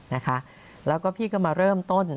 นะคะแล้วก็พี่ก็มาเริ่มต้น